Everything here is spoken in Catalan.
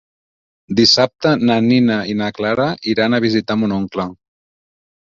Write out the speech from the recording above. Dissabte na Nina i na Clara iran a visitar mon oncle.